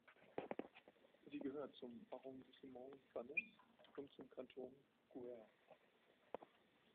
Sie gehört zum Arrondissement Vannes und zum Kanton Guer.